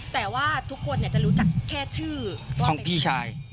แต่ว่าทุกคนจะรู้จักแค่ชื่อของพี่ชาย